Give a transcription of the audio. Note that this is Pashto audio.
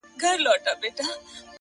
o گراني په دې ياغي سيتار راته خبري کوه؛